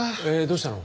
どうしたの？